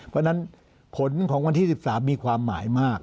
เพราะฉะนั้นผลของวันที่๑๓มีความหมายมาก